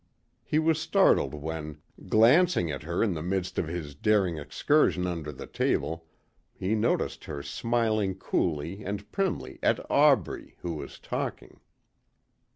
He was startled when, glancing at her in the midst of his daring excursion under the table, he noticed her smiling coolly and primly at Aubrey who was talking.